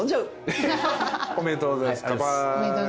おめでとうございます乾杯。